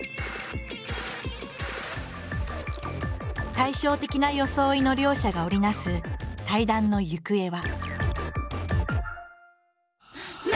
対照的な装いの両者が織り成す対談の行方は。